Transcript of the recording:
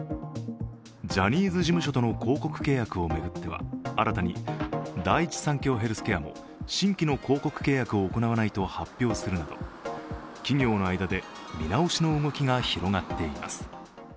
ジャニーズ事務所との広告契約を巡っては新たに、第一三共ヘルスケアも新規の広告契約を行わないと発表するなど企業の間で、見直しの動きが広がっています。